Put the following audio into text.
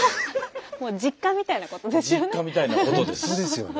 もう実家みたいなことですよね。